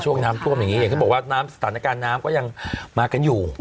ช่วงน้ำท่วมอย่างนี้อย่างที่บอกว่าน้ำสถานการณ์น้ำก็ยังมากันอยู่